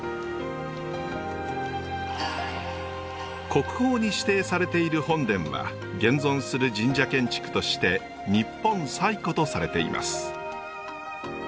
国宝に指定されている本殿は現存する神社建築として日本最古とされています。